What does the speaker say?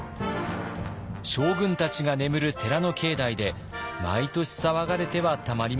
将軍たちが眠る寺の境内で毎年騒がれてはたまりません。